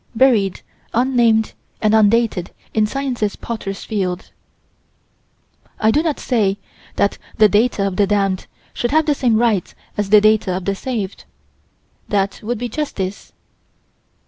Buried un named and undated in Science's potter's field. I do not say that the data of the damned should have the same rights as the data of the saved. That would be justice.